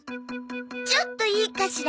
ちょっといいかしら？